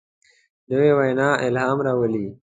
نوې وینا الهام راولي